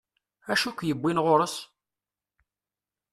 Acu ik-yewwin ɣur-s?